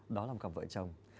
đó là một cặp vợ chồng